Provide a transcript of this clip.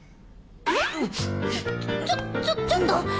ちょちょちょっと！？